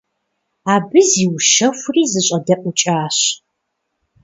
Абы зиущэхури зэщӀэдэӀукӀащ.